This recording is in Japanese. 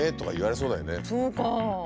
そうか。